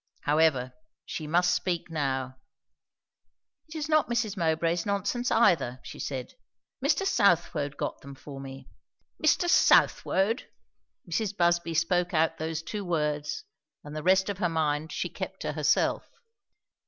However, she must speak now. "It is not Mrs. Mowbray's nonsense either," she said. "Mr. Southwode got them for me." "Mr. Southwode!" Mrs. Busby spoke out those two words, and the rest of her mind she kept to herself.